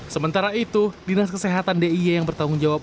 sementara itu dinas kesehatan d i y yang bertanggung jawab